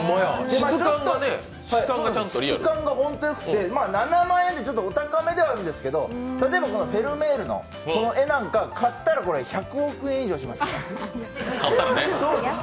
質感がホントよくて７万円ってお高めではあるんですけど、このフェルメールなんて買ったら１００億円以上しますから。